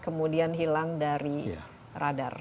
kemudian hilang dari radar